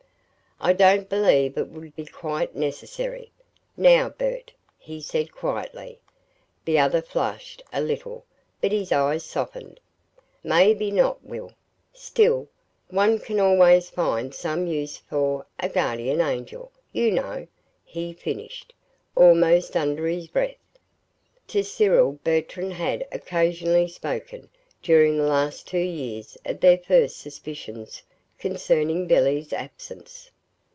"I don't believe it would be quite necessary, NOW, Bert," he said quietly. The other flushed a little, but his eyes softened. "Maybe not, Will; still one can always find some use for a guardian angel, you know," he finished, almost under his breath. To Cyril Bertram had occasionally spoken, during the last two years, of their first suspicions concerning Billy's absence.